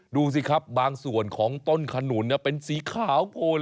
ดูสิครับบางส่วนของต้นขนุนเป็นสีขาวโพน